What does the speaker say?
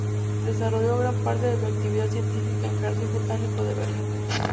Desarrolló gran parte de su actividad científica en el Jardín Botánico de Berlín.